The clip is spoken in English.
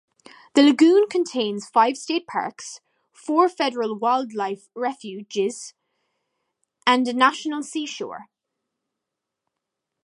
The Lagoon contains five state parks, four federal wildlife refuges and a national seashore.